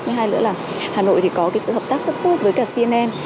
thứ hai nữa là hà nội thì có cái sự hợp tác rất tốt với cả cnn